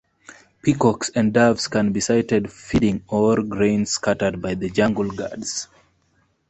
Peacocks and doves can be sighted feeding on grains scattered by the jungle guards.